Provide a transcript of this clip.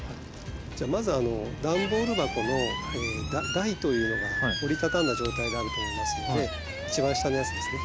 じゃあまずあの段ボール箱の台というのが折り畳んだ状態であると思いますので一番下のやつですね。